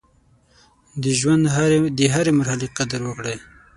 د ژوند د هرې مرحلې قدر وکړئ.